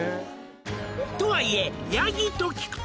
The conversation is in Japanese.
「とはいえヤギと聞くと」